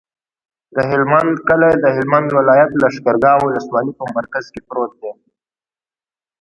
د هلمند کلی د هلمند ولایت، لښکرګاه ولسوالي په مرکز کې پروت دی.